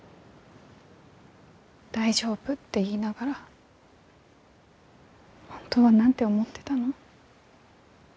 大丈夫って言いながら本当は何て思ってたの？